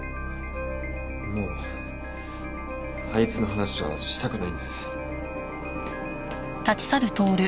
もうあいつの話はしたくないので。